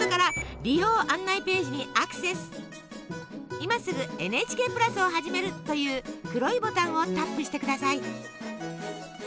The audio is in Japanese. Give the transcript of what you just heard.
「今すぐＮＨＫプラスをはじめる」という黒いボタンをタップしてください。